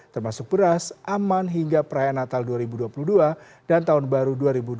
termasuk beras aman hingga perayaan natal dua ribu dua puluh dua dan tahun baru dua ribu dua puluh